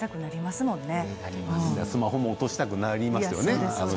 スマホも落としたくなりますよね。